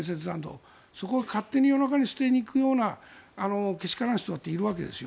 そこが勝手に夜中に捨てに行くようなけしからん人もいるわけです。